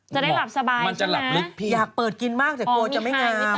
จะได้หลับสบายมันจะหลับลึกพี่อยากเปิดกินมากแต่กลัวจะไม่งาม